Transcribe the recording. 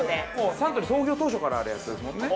◆サントリー創業当初からあるやつですもんね。